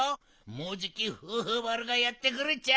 もうじきフーフーまるがやってくるっちゃ！